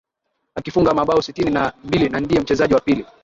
Akifunga mabao sitini na mbili na ndiye mchezaji wa pili